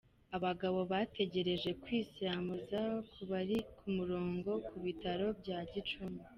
Abagabo bategereje kwisilamuza ku bari ku murongo ku bitaro bya Gicumbi.